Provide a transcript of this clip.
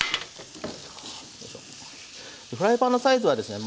フライパンのサイズはですね